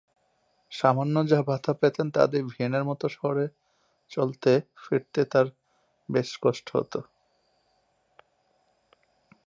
সামান্য যা ভাতা পেতেন তা দিয়ে ভিয়েনার মত শহরে চলতে-ফিরতে তার বেশ কষ্ট হতো।